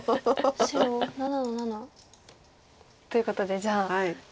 白７の七。ということでじゃあ。